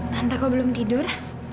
tante kok belum tidur